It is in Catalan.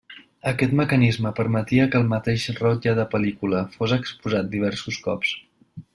Aquest mecanisme permetia que el mateix rotlle de pel·lícula fos exposat diversos cops.